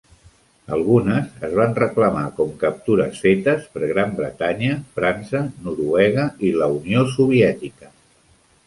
Algunes es van reclamar com captures fetes per Gran Bretanya, França, Noruega i la Unió Soviètica.